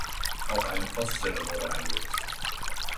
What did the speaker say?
Auch eine Poststelle wurde eingerichtet.